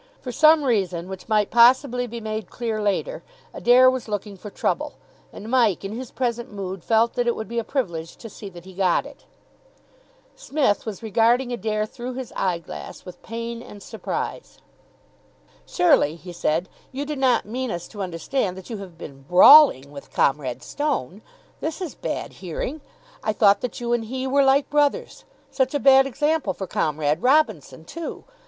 For some reason, which might possibly be made clear later, Adair was looking for trouble, and Mike in his present mood felt that it would be a privilege to see that he got it. Psmith was regarding Adair through his eyeglass with pain and surprise. "Surely," he said, "you do not mean us to understand that you have been brawling with Comrade Stone! This is bad hearing. I thought that you and he were like brothers. Such a bad example for Comrade Robinson, too.